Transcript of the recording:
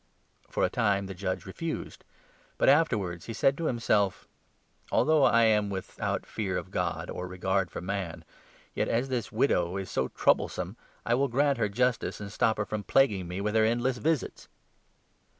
For a time the judge refused, but afterwards he said to 4 himself ' Although I am without fear of God or regard for man, yet, as this widow is so troublesome, I will grant her justice, 5 to stop her from plaguing me with her endless visits.'